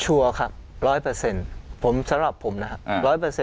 ชัวร์ครับ๑๐๐ผมสำหรับผมนะครับ๑๐๐